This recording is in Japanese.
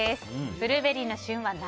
ブルーベリーの旬は、夏。